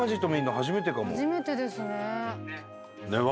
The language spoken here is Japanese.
初めてですね。